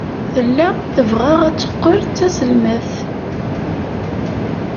Tella tebɣa ad teqqel d taselmadt.